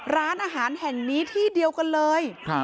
ร้านอาหารแห่งนี้ที่เดียวกันเลย